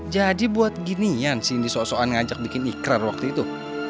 jadi buat ginian cindy sok sokan ngajak bikin ikrar waktu itu